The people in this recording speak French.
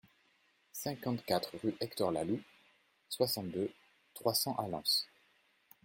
cinquante-quatre rue Hector Laloux, soixante-deux, trois cents à Lens